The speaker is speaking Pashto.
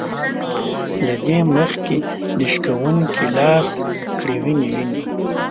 له دې مخکې د شکوونکي لاس کړي وينې وينې